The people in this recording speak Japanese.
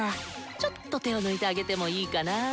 ちょっと手を抜いてあげてもいいかな。